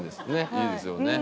いいですよね。